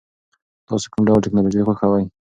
تاسو کوم ډول ټیکنالوژي خوښوئ؟